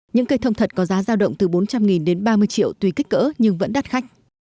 những cây thông thật có giá giao động từ bốn trăm linh đến ba mươi triệu tùy kích cỡ nhưng vẫn đắt khách